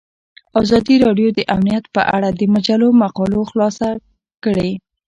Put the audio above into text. ازادي راډیو د امنیت په اړه د مجلو مقالو خلاصه کړې.